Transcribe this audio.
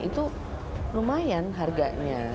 itu lumayan harganya